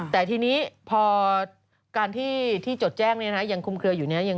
แต่ทีนี้พอการที่จดแจ้งนี้นะฮะยังคุ้มเคลืออยู่นี้นะฮะ